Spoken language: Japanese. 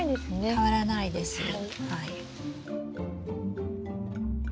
変わらないですはい。